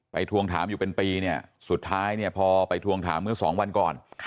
ไปทวงถามอยู่เป็นปีสุดท้ายพอไปทวงถามเมื่อสองวันก่อน